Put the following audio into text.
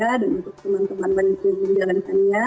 dan untuk teman teman banyak yang berjalan jalan ini ya